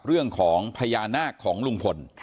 เรื่องของพญานาคของลุงพล